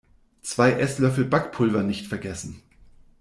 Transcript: Zwei Esslöffel Backpulver nicht vergessen.